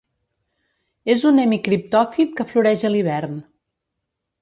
És un hemicriptòfit que floreix a l'hivern.